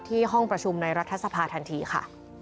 ห้องประชุมในรัฐสภาทันทีค่ะ